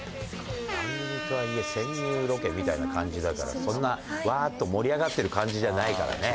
番組とはいえ潜入ロケみたいな感じだからそんなワーッと盛り上がってる感じじゃないからね。